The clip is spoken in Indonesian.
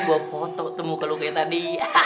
gue foto temukan lu kayak tadi